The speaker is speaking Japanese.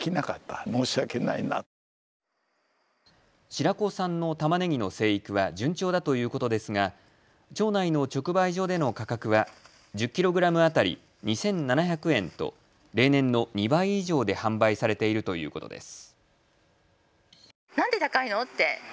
白子産のたまねぎの生育は順調だということですが町内の直売所での価格は１０キログラム当たり２７００円と例年の２倍以上で販売されているということです。